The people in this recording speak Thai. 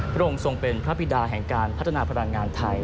พระองค์ทรงเป็นพระบิดาแห่งการพัฒนาพลังงานไทย